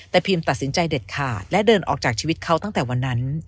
แต่พิมตัดสินใจเด็ดขาดและเดินออกจากชีวิตเขาตั้งแต่วันนั้น